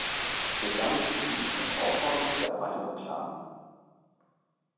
Wird damit die politische Herausforderung der Erweiterung klar?